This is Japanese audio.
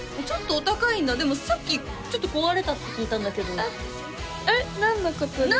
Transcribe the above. ちょっとお高いんだでもさっきちょっと壊れたって聞いたんだけどえっ？